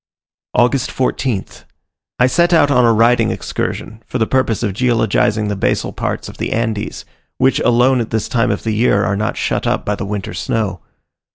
August 14th. I set out on a riding excursion, for the purpose of geologizing the basal parts of the Andes, which alone at this time of the year are not shut up by the winter snow.